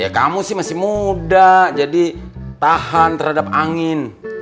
ya kamu sih masih muda jadi tahan terhadap angin